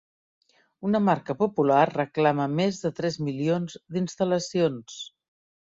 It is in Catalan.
Una marca popular reclama més de tres milions d'instal·lacions.